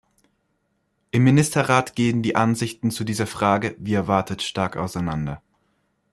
Im Ministerrat gehen die Ansichten zu dieser Frage, wie erwartet, stark auseinander.